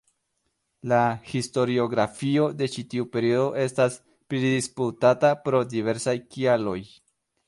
La historiografio de ĉi tiu periodo estas pridisputata pro diversaj kialoj.